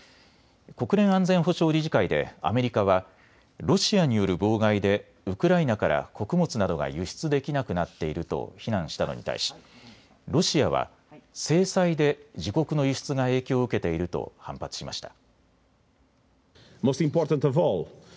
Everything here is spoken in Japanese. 国連安全保障理事会でアメリカはロシアによる妨害でウクライナから穀物などが輸出できなくなっていると非難したのに対し、ロシアは制裁で自国の輸出が影響を受けていると反発しました。